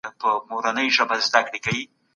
ماشینونه د انسانانو کار اسانه کوي.